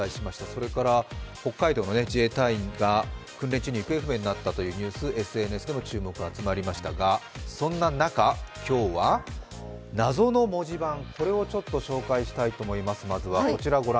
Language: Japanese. それから、北海道の自衛退院が訓練中に行方不明になったというニュース、ＳＮＳでも注目が集まりましたが、そんな中、今日は謎の文字板、これをちょっと紹介したいと思います。